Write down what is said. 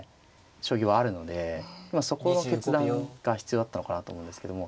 将棋はあるのでそこの決断が必要だったのかなと思うんですけども。